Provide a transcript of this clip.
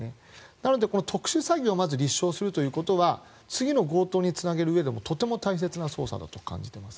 なので、特殊詐欺をまず立証するということは次の強盗につなげるうえでもとても大切な捜査だと感じています。